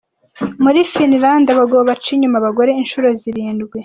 Muri Finland abagabo baca inyuma abagore inshuro zirindwi.